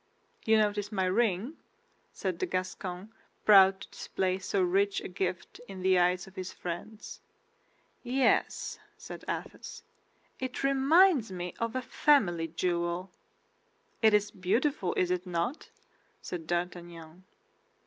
"You notice my ring?" said the Gascon, proud to display so rich a gift in the eyes of his friends. "Yes," said Athos, "it reminds me of a family jewel." "It is beautiful, is it not?" said D'Artagnan.